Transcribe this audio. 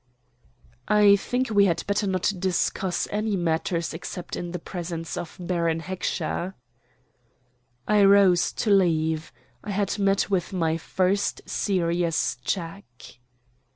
"I think we had better not discuss any matters except in the presence of Baron Heckscher." I rose to leave. I had met with my first serious check.